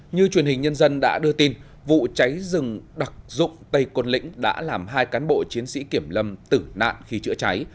như truyền hình nhân dân đã đưa tin vụ cháy rừng đặc dụng tây côn lĩnh đã làm hai cán bộ chiến sĩ kiểm lâm tử nạn khi chữa cháy